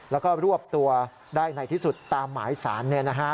แล้วก็รวบตัวได้ในที่สุดตามหมายสาร